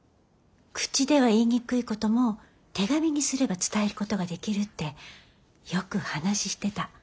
口では言いにくいことも手紙にすれば伝えることができるってよく話してた。